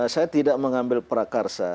saya tidak mengambil prakarsa